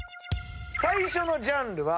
最初のジャンルは。